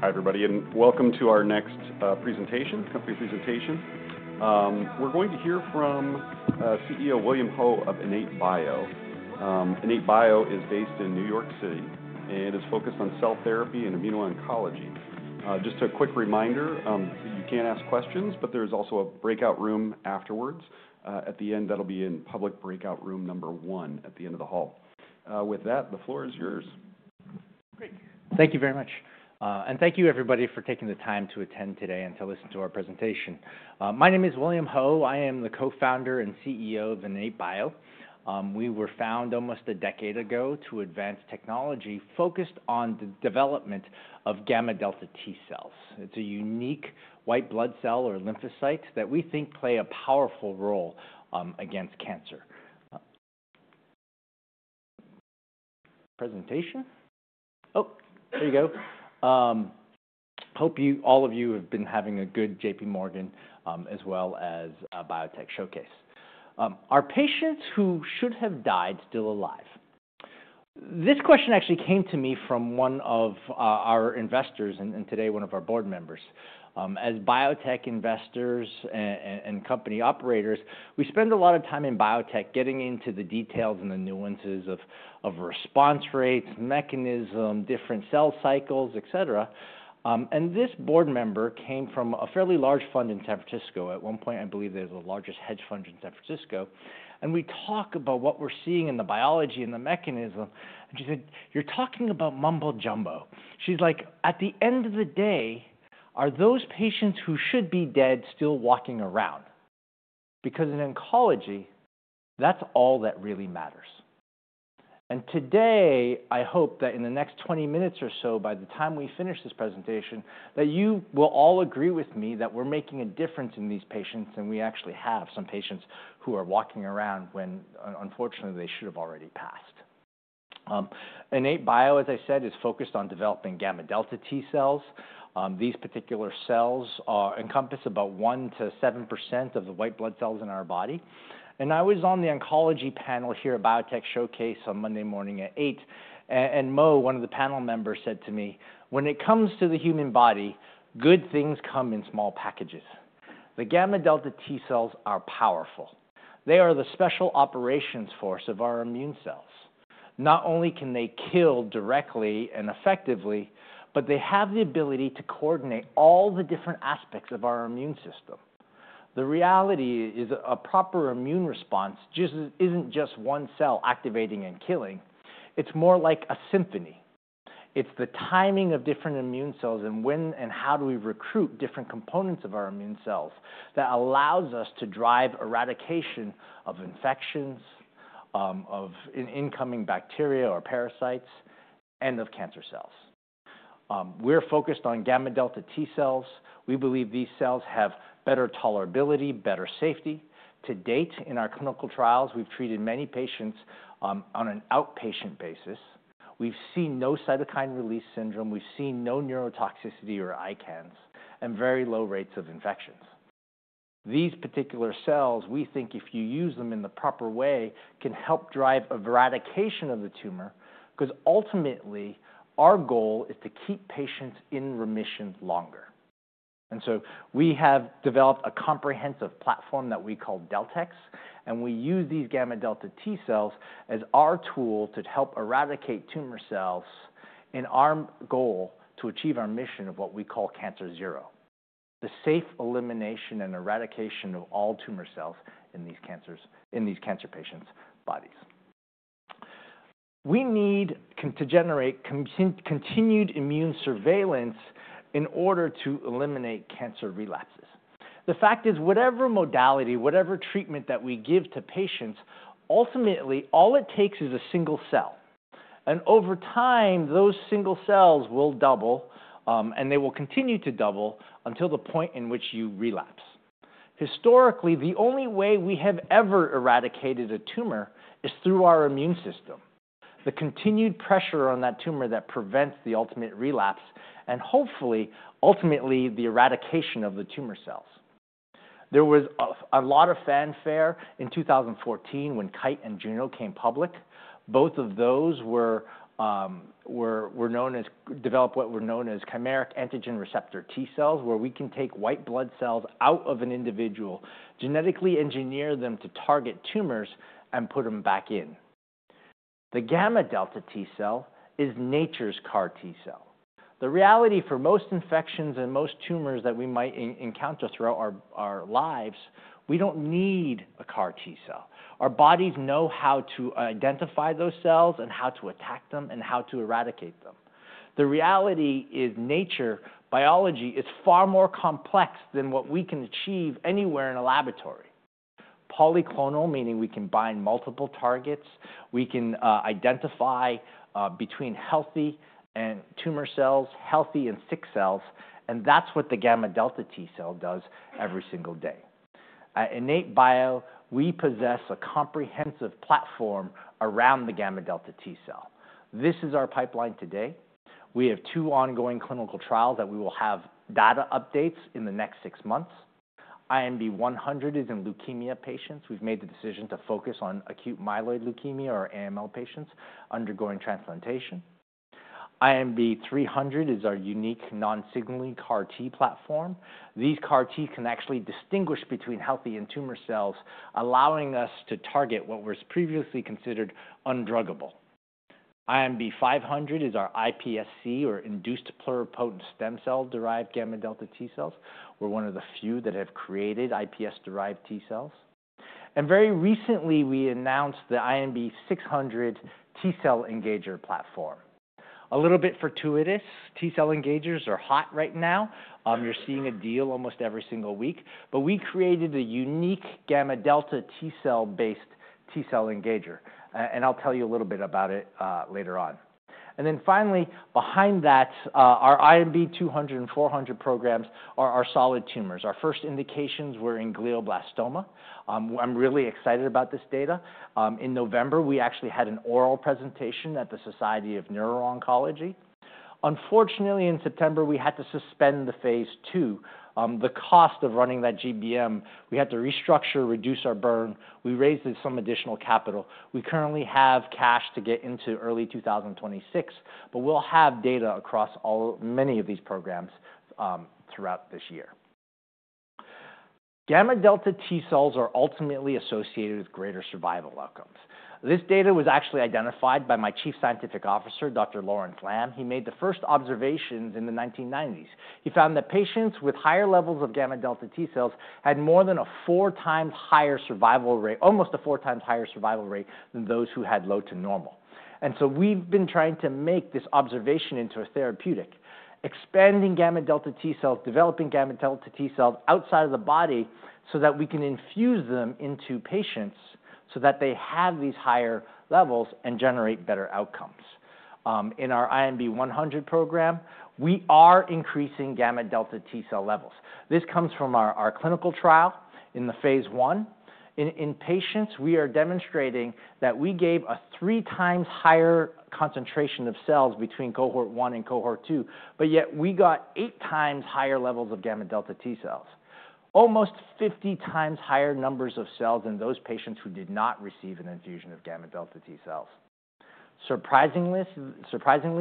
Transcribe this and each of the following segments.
Hi, everybody, and welcome to our next company presentation. We're going to hear from CEO William Ho of IN8bio. IN8bio is based in New York City and is focused on cell therapy and immuno-oncology. Just a quick reminder, you can ask questions, but there's also a breakout room afterwards. At the end, that'll be in public breakout room number one at the end of the hall. With that, the floor is yours. Great. Thank you very much and thank you, everybody, for taking the time to attend today and to listen to our presentation. My name is William Ho. I am the Co-founder and CEO of IN8bio. We were found almost a decade ago to advance technology focused on the development of gamma delta T cells. It's a unique white blood cell or lymphocyte that we think plays a powerful role against cancer. Presentation. Oh, there you go. Hope all of you have been having a good JPMorgan as well as Biotech Showcase. Our patients who should have died still alive. This question actually came to me from one of our investors, and today one of our board members. As biotech investors and company operators, we spend a lot of time in biotech getting into the details and the nuances of response rates, mechanism, different cell cycles, et cetera. This board member came from a fairly large fund in San Francisco. At one point, I believe they were the largest hedge fund in San Francisco. We talk about what we're seeing in the biology and the mechanism. She said, "You're talking about mumbo jumbo." She's like, "At the end of the day, are those patients who should be dead still walking around?" Because in oncology, that's all that really matters. Today, I hope that in the next 20 minutes or so, by the time we finish this presentation, that you will all agree with me that we're making a difference in these patients. We actually have some patients who are walking around when, unfortunately, they should have already passed. IN8bio, as I said, is focused on developing gamma delta T cells. These particular cells encompass about 1%-7% of the white blood cells in our body. I was on the oncology panel here at Biotech Showcase on Monday morning at 8:00 A.M. Mo, one of the panel members, said to me, "When it comes to the human body, good things come in small packages. The gamma delta T cells are powerful. They are the special operations force of our immune cells. Not only can they kill directly and effectively, but they have the ability to coordinate all the different aspects of our immune system." The reality is a proper immune response isn't just one cell activating and killing. It's more like a symphony. It's the timing of different immune cells and when and how do we recruit different components of our immune cells that allows us to drive eradication of infections, of incoming bacteria or parasites, and of cancer cells. We're focused on gamma delta T cells. We believe these cells have better tolerability, better safety. To date, in our clinical trials, we've treated many patients on an outpatient basis. We've seen no cytokine release syndrome. We've seen no neurotoxicity or ICANS and very low rates of infections. These particular cells, we think if you use them in the proper way, can help drive eradication of the tumor. Because ultimately, our goal is to keep patients in remission longer, and so we have developed a comprehensive platform that we call DeltEx. And we use these gamma delta T cells as our tool to help eradicate tumor cells in our goal to achieve our mission of what we call Cancer Zero, the safe elimination and eradication of all tumor cells in these cancer patients' bodies. We need to generate continued immune surveillance in order to eliminate cancer relapses. The fact is, whatever modality, whatever treatment that we give to patients, ultimately, all it takes is a single cell. And over time, those single cells will double, and they will continue to double until the point in which you relapse. Historically, the only way we have ever eradicated a tumor is through our immune system, the continued pressure on that tumor that prevents the ultimate relapse, and hopefully, ultimately, the eradication of the tumor cells. There was a lot of fanfare in 2014 when Kite and Juno came public. Both of those were known as developed what were known as chimeric antigen receptor T cells, where we can take white blood cells out of an individual, genetically engineer them to target tumors, and put them back in. The gamma delta T cell is nature's CAR-T cell. The reality for most infections and most tumors that we might encounter throughout our lives, we don't need a CAR-T cell. Our bodies know how to identify those cells and how to attack them and how to eradicate them. The reality is nature, biology, is far more complex than what we can achieve anywhere in a laboratory, polyclonal, meaning we can bind multiple targets. We can identify between healthy and tumor cells, healthy and sick cells. And that's what the gamma delta T cell does every single day. At IN8bio, we possess a comprehensive platform around the gamma delta T cell. This is our pipeline today. We have two ongoing clinical trials that we will have data updates in the next six months. INB-100 is in leukemia patients. We've made the decision to focus on acute myeloid leukemia or AML patients undergoing transplantation. INB-300 is our unique non-signaling CAR-T platform. These CAR-T can actually distinguish between healthy and tumor cells, allowing us to target what was previously considered undruggable. INB-500 is our iPSC or induced pluripotent stem cell derived gamma delta T cells. We're one of the few that have created iPS derived T cells, and very recently, we announced the INB-600 T cell engager platform. A little bit fortuitous, T cell engagers are hot right now. You're seeing a deal almost every single week. But we created a unique gamma delta T cell based T cell engager, and I'll tell you a little bit about it later on. Then finally, behind that, our INB-200 and INB-400 programs are our solid tumors. Our first indications were in glioblastoma. I'm really excited about this data. In November, we actually had an oral presentation at the Society for Neuro-Oncology. Unfortunately, in September, we had to suspend the phase II. The cost of running that GBM, we had to restructure, reduce our burn. We raised some additional capital. We currently have cash to get into early 2026. We'll have data across many of these programs throughout this year. Gamma delta T cells are ultimately associated with greater survival outcomes. This data was actually identified by my Chief Scientific Officer, Dr. Lawrence Lamb. He made the first observations in the 1990s. He found that patients with higher levels of gamma delta T cells had more than a four times higher survival rate, almost a four times higher survival rate than those who had low to normal. We've been trying to make this observation into a therapeutic, expanding gamma delta T cells, developing gamma delta T cells outside of the body so that we can infuse them into patients so that they have these higher levels and generate better outcomes. In our INB-100 program, we are increasing gamma delta T cell levels. This comes from our clinical trial in the phase I. In patients, we are demonstrating that we gave a three times higher concentration of cells between cohort one and cohort two. Yet, we got eight times higher levels of gamma delta T cells, almost 50 times higher numbers of cells in those patients who did not receive an infusion of gamma delta T cells. Surprisingly,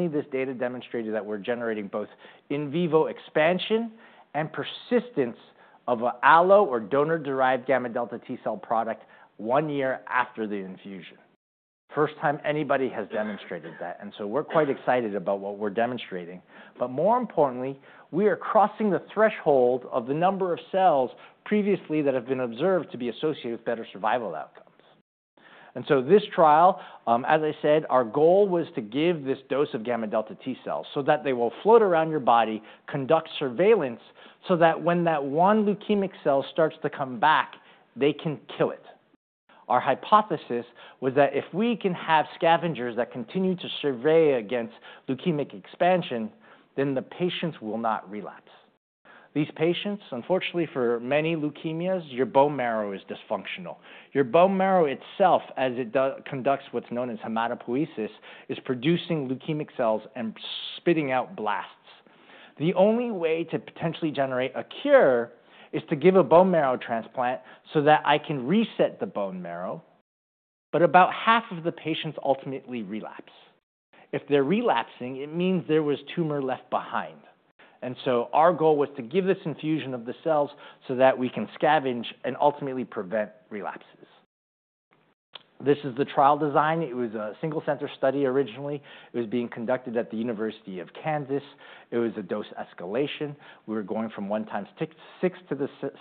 this data demonstrated that we're generating both in vivo expansion and persistence of an allo or donor derived gamma delta T cell product one year after the infusion. First time anybody has demonstrated that. We're quite excited about what we're demonstrating. More importantly, we are crossing the threshold of the number of cells previously that have been observed to be associated with better survival outcomes. This trial, as I said, our goal was to give this dose of gamma delta T cells so that they will float around your body, conduct surveillance so that when that one leukemic cell starts to come back, they can kill it. Our hypothesis was that if we can have scavengers that continue to survey against leukemic expansion, then the patients will not relapse. These patients, unfortunately, for many leukemias, your bone marrow is dysfunctional. Your bone marrow itself, as it conducts what's known as hematopoiesis, is producing leukemic cells and spitting out blasts. The only way to potentially generate a cure is to give a bone marrow transplant so that I can reset the bone marrow. But about half of the patients ultimately relapse. If they're relapsing, it means there was tumor left behind. And so our goal was to give this infusion of the cells so that we can scavenge and ultimately prevent relapses. This is the trial design. It was a single center study originally. It was being conducted at the University of Kansas. It was a dose escalation. We were going from 10 to the six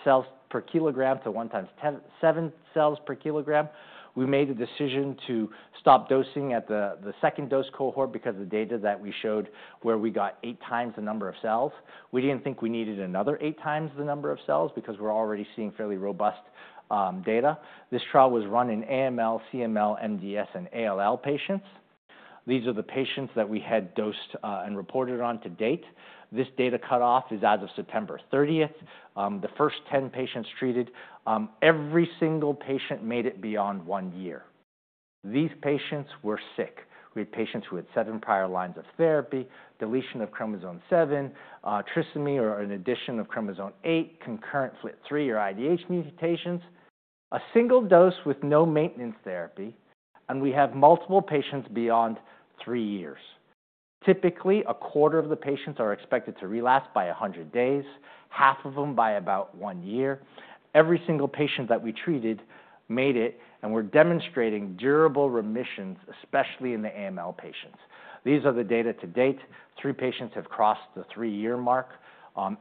cells per kilogram to 10 to the seven cells per kilogram. We made the decision to stop dosing at the second dose cohort because of the data that we showed where we got eight times the number of cells. We didn't think we needed another eight times the number of cells because we're already seeing fairly robust data. This trial was run in AML, CML, MDS, and ALL patients. These are the patients that we had dosed and reported on to date. This data cutoff is as of September 30th. The first 10 patients treated. Every single patient made it beyond one year. These patients were sick. We had patients who had seven prior lines of therapy, deletion of chromosome 7, trisomy or an addition of chromosome 8, concurrent FLT3 or IDH mutations, a single dose with no maintenance therapy. We have multiple patients beyond three years. Typically, a quarter of the patients are expected to relapse by 100 days, half of them by about one year. Every single patient that we treated made it. And we're demonstrating durable remissions, especially in the AML patients. These are the data to date. Three patients have crossed the three year mark.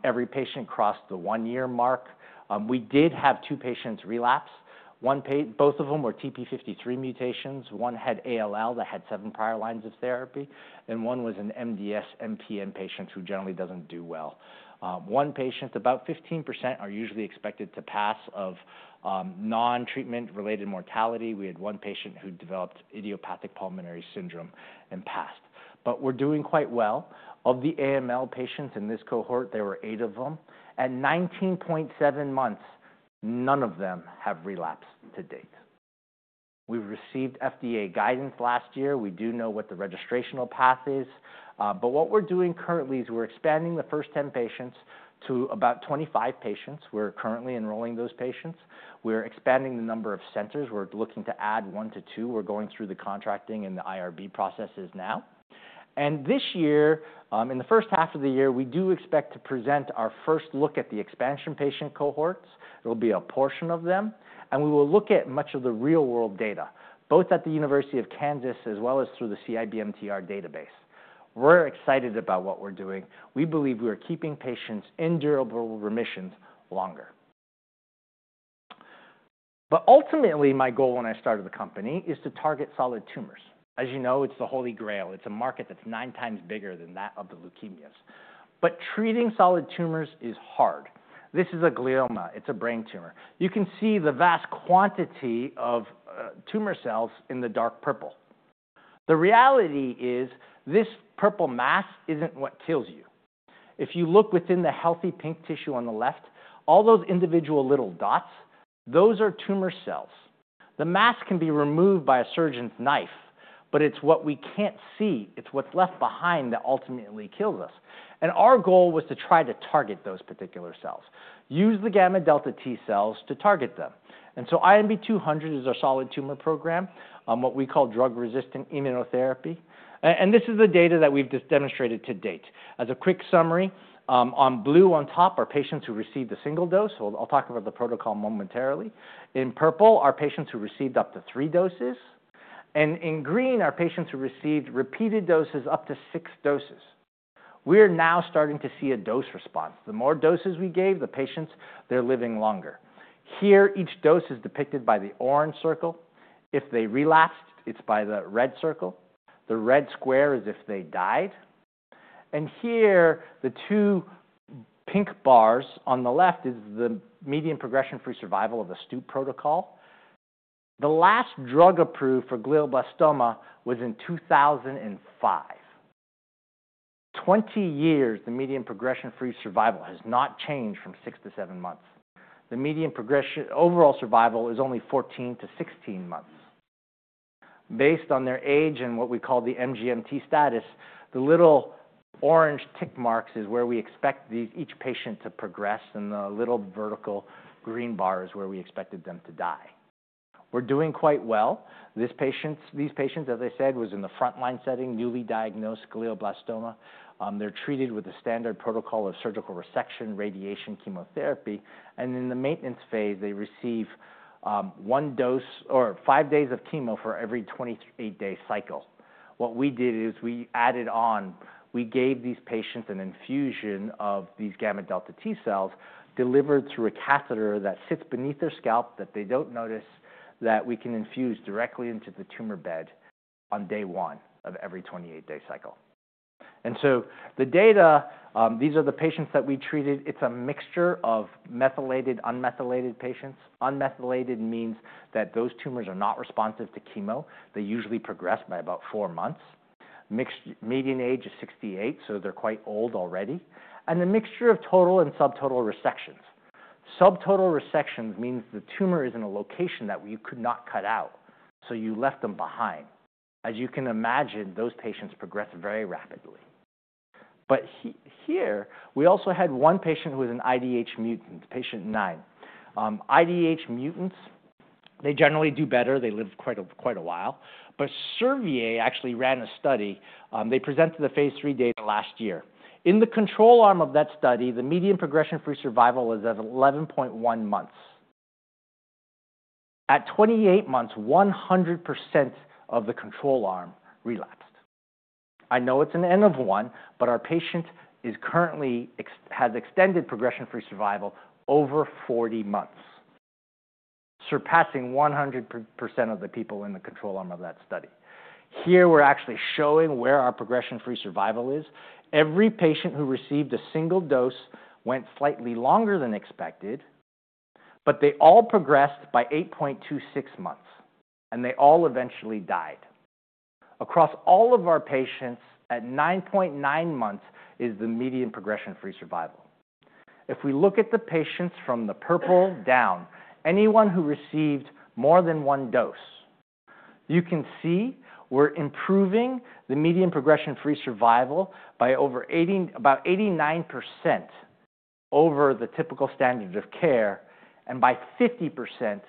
Every patient crossed the one year mark. We did have two patients relapse. Both of them were TP53 mutations. One had ALL that had seven prior lines of therapy. And one was an MDS MPN patient who generally doesn't do well. One patient, about 15%, are usually expected to pass of non-treatment related mortality. We had one patient who developed idiopathic pneumonia syndrome and passed. We're doing quite well. Of the AML patients in this cohort, there were eight of them. At 19.7 months, none of them have relapsed to date. We received FDA guidance last year. We do know what the registrational path is. But what we're doing currently is we're expanding the first 10 patients to about 25 patients. We're currently enrolling those patients. We're expanding the number of centers. We're looking to add one to two. We're going through the contracting and the IRB processes now. And this year, in the first half of the year, we do expect to present our first look at the expansion patient cohorts. There will be a portion of them. And we will look at much of the real world data, both at the University of Kansas as well as through the CIBMTR database. We're excited about what we're doing. We believe we are keeping patients in durable remissions longer. But ultimately, my goal when I started the company is to target solid tumors. As you know, it's the Holy Grail. It's a market that's nine times bigger than that of the leukemias. But treating solid tumors is hard. This is a glioma. It's a brain tumor. You can see the vast quantity of tumor cells in the dark purple. The reality is this purple mass isn't what kills you. If you look within the healthy pink tissue on the left, all those individual little dots, those are tumor cells. The mass can be removed by a surgeon's knife. But it's what we can't see. It's what's left behind that ultimately kills us. And our goal was to try to target those particular cells, use the gamma delta T cells to target them. And so INB-200 is our solid tumor program, what we call drug resistant immunotherapy. This is the data that we've just demonstrated to date. As a quick summary, in blue on top are patients who received a single dose. I'll talk about the protocol momentarily. In purple, our patients who received up to three doses. In green, our patients who received repeated doses up to six doses. We're now starting to see a dose response. The more doses we gave the patients, they're living longer. Here, each dose is depicted by the orange circle. If they relapsed, it's by the red circle. The red square is if they died. Here, the two pink bars on the left is the median progression-free survival of the Stupp protocol. The last drug approved for glioblastoma was in 2005. For 20 years, the median progression-free survival has not changed from six to seven months. The median overall survival is only 14 to 16 months. Based on their age and what we call the MGMT status, the little orange tick marks is where we expect each patient to progress, and the little vertical green bar is where we expected them to die. We're doing quite well. These patients, as I said, were in the front line setting, newly diagnosed glioblastoma. They're treated with a standard protocol of surgical resection, radiation, chemotherapy, and in the maintenance phase, they receive one dose or five days of chemo for every 28 day cycle. What we did is we added on. We gave these patients an infusion of these gamma delta T cells delivered through a catheter that sits beneath their scalp that they don't notice that we can infuse directly into the tumor bed on day one of every 28 day cycle, and so the data, these are the patients that we treated. It's a mixture of methylated, unmethylated patients. Unmethylated means that those tumors are not responsive to chemo. They usually progress by about four months. Median age is 68, so they're quite old already, and the mixture of total and subtotal resections. Subtotal resections means the tumor is in a location that you could not cut out. So you left them behind. As you can imagine, those patients progress very rapidly. But here, we also had one patient who was an IDH mutant, patient nine. IDH mutants, they generally do better. They live quite a while. But Servier actually ran a study. They presented the phase III data last year. In the control arm of that study, the median progression-free survival was at 11.1 months. At 28 months, 100% of the control arm relapsed. I know it's an N of one. But our patient has extended progression-free survival over 40 months, surpassing 100% of the people in the control arm of that study. Here, we're actually showing where our progression-free survival is. Every patient who received a single dose went slightly longer than expected. But they all progressed by 8.26 months. And they all eventually died. Across all of our patients, at 9.9 months is the median progression-free survival. If we look at the patients from the purple down, anyone who received more than one dose, you can see we're improving the median progression-free survival by about 89% over the typical standard of care and by 50%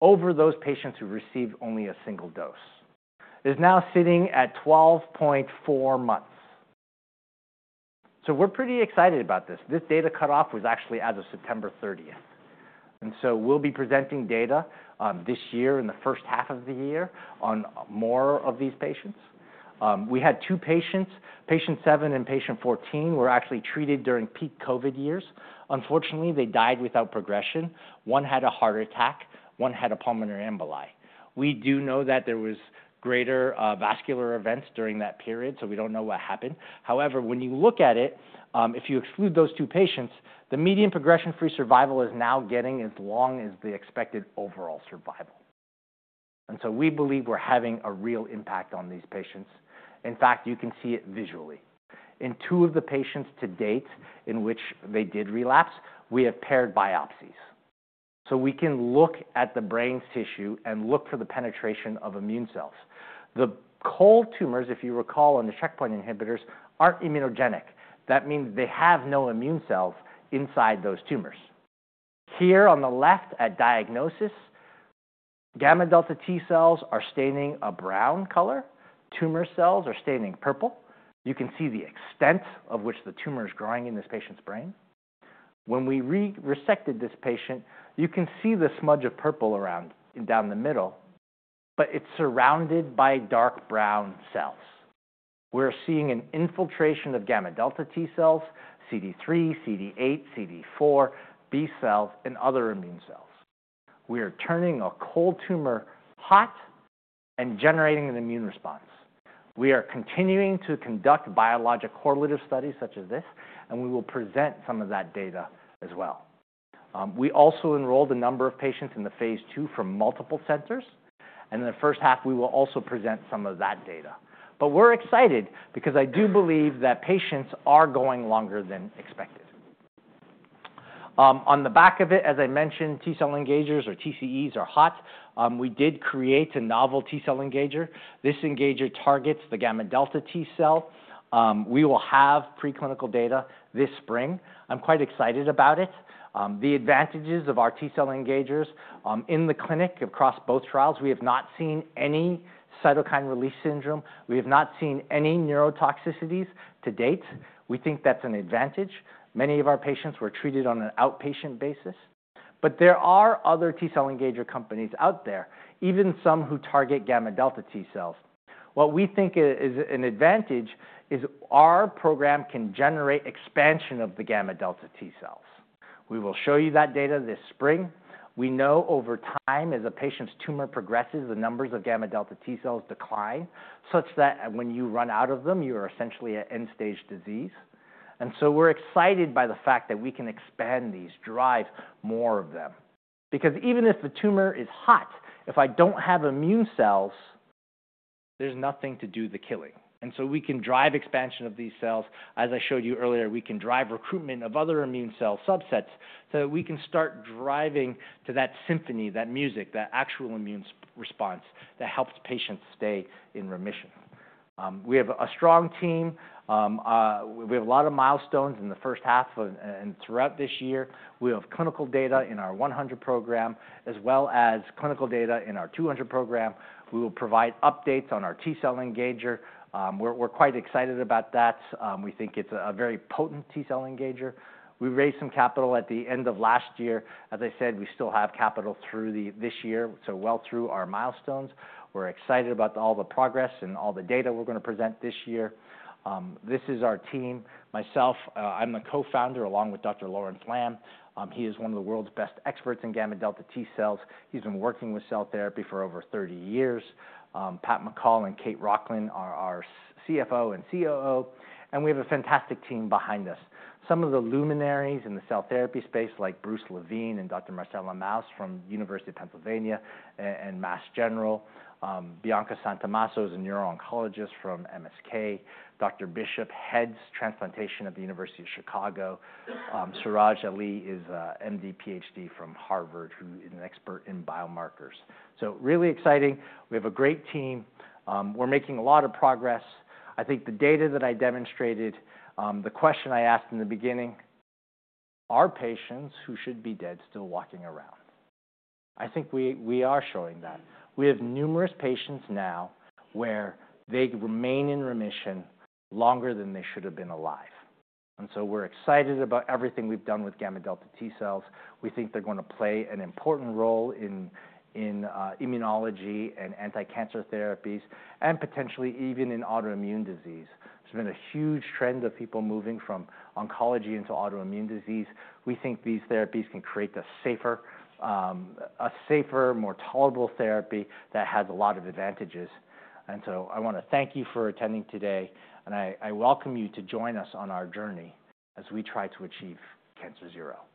over those patients who received only a single dose. It is now sitting at 12.4 months. So we're pretty excited about this. This data cut off was actually as of September 30th. We'll be presenting data this year in the first half of the year on more of these patients. We had two patients, patient seven and patient 14, were actually treated during peak COVID years. Unfortunately, they died without progression. One had a heart attack. One had a pulmonary emboli. We do know that there were greater vascular events during that period. So we don't know what happened. However, when you look at it, if you exclude those two patients, the median progression-free survival is now getting as long as the expected overall survival. And so we believe we're having a real impact on these patients. In fact, you can see it visually. In two of the patients to date in which they did relapse, we have paired biopsies. So we can look at the brain tissue and look for the penetration of immune cells. The cold tumors, if you recall, on the checkpoint inhibitors aren't immunogenic. That means they have no immune cells inside those tumors. Here on the left at diagnosis, gamma delta T cells are staining a brown color. Tumor cells are staining purple. You can see the extent of which the tumor is growing in this patient's brain. When we resected this patient, you can see the smudge of purple around down the middle. But it's surrounded by dark brown cells. We're seeing an infiltration of gamma delta T cells, CD3, CD8, CD4, B cells, and other immune cells. We are turning a cold tumor hot and generating an immune response. We are continuing to conduct biologic correlative studies such as this, and we will present some of that data as well. We also enrolled a number of patients in the phase II from multiple centers. In the first half, we will also present some of that data. We're excited because I do believe that patients are going longer than expected. On the back of it, as I mentioned, T cell engagers or TCEs are hot. We did create a novel T cell engager. This engager targets the gamma delta T cell. We will have preclinical data this spring. I'm quite excited about it. The advantages of our T cell engagers in the clinic across both trials. We have not seen any cytokine release syndrome. We have not seen any neurotoxicities to date. We think that's an advantage. Many of our patients were treated on an outpatient basis. There are other T cell engager companies out there, even some who target gamma delta T cells. What we think is an advantage is our program can generate expansion of the gamma delta T cells. We will show you that data this spring. We know over time, as a patient's tumor progresses, the numbers of gamma delta T cells decline such that when you run out of them, you are essentially at end stage disease. And so we're excited by the fact that we can expand these, drive more of them. Because even if the tumor is hot, if I don't have immune cells, there's nothing to do the killing. And so we can drive expansion of these cells. As I showed you earlier, we can drive recruitment of other immune cell subsets so that we can start driving to that symphony, that music, that actual immune response that helps patients stay in remission. We have a strong team. We have a lot of milestones in the first half and throughout this year. We have clinical data in our INB-100 program as well as clinical data in our INB-200 program. We will provide updates on our T cell engager. We're quite excited about that. We think it's a very potent T cell engager. We raised some capital at the end of last year. As I said, we still have capital through this year, so well through our milestones. We're excited about all the progress and all the data we're going to present this year. This is our team. Myself, I'm the co-founder along with Dr. Lawrence Lamb. He is one of the world's best experts in gamma delta T cells. He's been working with cell therapy for over 30 years. Pat McCall and Kate Rochlin are our CFO and COO. And we have a fantastic team behind us. Some of the luminaries in the cell therapy space, like Bruce Levine and Dr. Marcela Maus from the University of Pennsylvania and Mass General. Bianca Santomasso is a neuro-oncologist from MSK. Dr. Bishop heads transplantation at the University of Chicago. Siraj Ali is an MD, PhD from Harvard, who is an expert in biomarkers. So really exciting. We have a great team. We're making a lot of progress. I think the data that I demonstrated, the question I asked in the beginning, are patients who should be dead still walking around? I think we are showing that. We have numerous patients now where they remain in remission longer than they should have been alive. And so we're excited about everything we've done with gamma delta T cells. We think they're going to play an important role in immunology and anti-cancer therapies and potentially even in autoimmune disease. There's been a huge trend of people moving from oncology into autoimmune disease. We think these therapies can create a safer, more tolerable therapy that has a lot of advantages, and so I want to thank you for attending today, and I welcome you to join us on our journey as we try to achieve Cancer Zero.